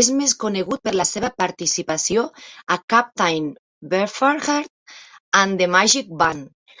És més conegut per la seva participació a Captain Beefheart and The Magic Band.